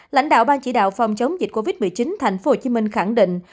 lãnh đạo ban chỉ đạo phòng chống dịch covid một mươi chín thành phố hồ chí minh khẳng định